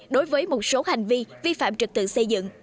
đối với một số hành vi vi phạm trực tự xây dựng